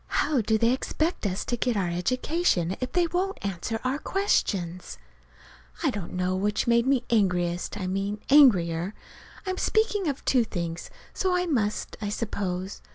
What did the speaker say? How do they expect us to get our education if they won't answer our questions? I don't know which made me angriest I mean angrier. (I'm speaking of two things, so I must, I suppose.